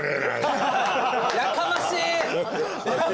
やかましい。